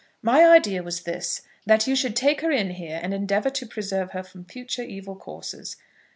"My idea was this that you should take her in here, and endeavour to preserve her from future evil courses."